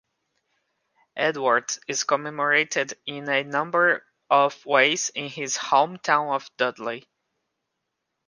Edwards is commemorated in a number of ways in his home town of Dudley.